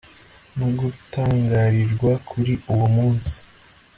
no gutangarirwa kuri uwo munsi